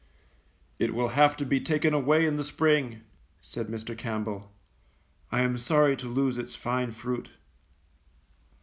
^'It will have to be taken away in the spring,^' said Mr. Campbell; am sorry to lose its fine fruit.